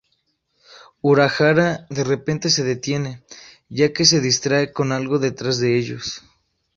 Urahara de repente se detiene, ya que se distrae con algo detrás de ellos.